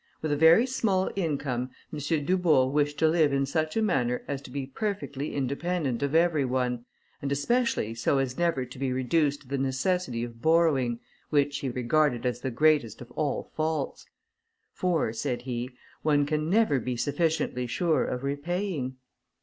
With a very small income, M. Dubourg wished to live in such a manner as to be perfectly independent of every one, and especially so as never to be reduced to the necessity of borrowing, which he regarded as the greatest of all faults; "for," said he, "one can never be sufficiently sure of repaying."